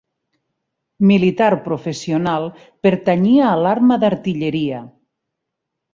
Militar professional, pertanyia a l'arma d'artilleria.